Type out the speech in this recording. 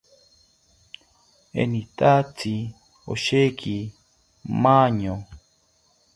Enitatzi osheki maño